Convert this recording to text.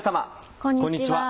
こんにちは。